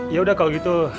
ya udah kalau gitu